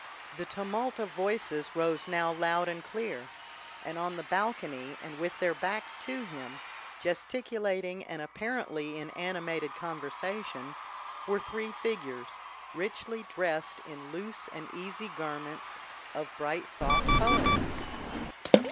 The tumult of voices rose now loud and clear, and on the balcony and with their backs to him, gesticulating and apparently in animated conversation, were three figures, richly dressed in loose and easy garments of bright soft colourings.